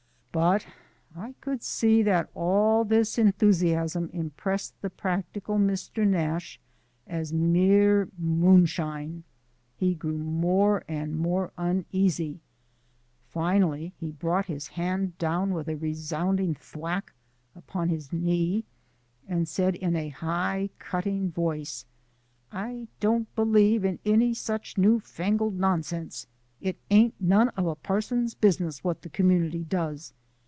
But I could see that all this enthusiasm impressed the practical Mr. Nash as mere moonshine. He grew more and more uneasy. Finally he brought his hand down with a resounding thwack upon his knee, and said in a high, cutting voice: "I don't believe in any such newfangled nonsense. It ain't none of a parson's business what the community does.